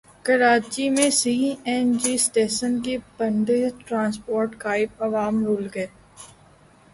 کراچی میں C N G stations کی بندش ٹرانسپورٹ غائب عوام رل گئے